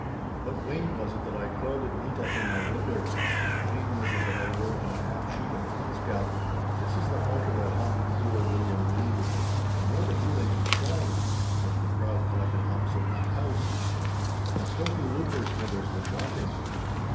But wain was it that I coiled it neat up in my winder;—wain was it that I wrote on a half sheet of foolscap, 'This is the halter that hung poor William Lees;'—the morbid feelings was strong, 'cos the crowd collected opposite my house; but the filthy lucre, Smithers, was wanting.